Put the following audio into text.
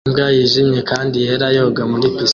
Imbwa yijimye kandi yera yoga muri pisine